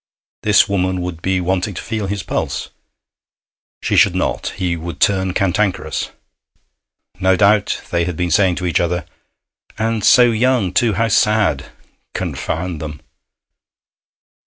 This woman would be wanting to feel his pulse. She should not; he would turn cantankerous. No doubt they had been saying to each other, 'And so young, too! How sad!' Confound them!